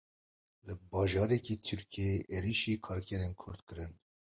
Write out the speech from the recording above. Li bajarekî Tirkiyê êrişî karkerên Kurd kirin.